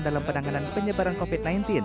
dalam penanganan penyebaran covid sembilan belas